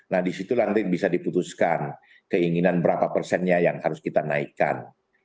nah disitu nanti bisa diputuskan keinginan berapa persennya yang harus kita naikkan